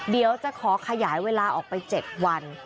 เดี๋ยวจะขอขยายเวลาออกไป๗วัน